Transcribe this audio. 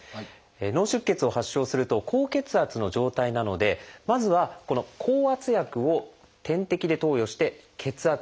脳出血を発症すると高血圧の状態なのでまずはこの降圧薬を点滴で投与して血圧を下げます。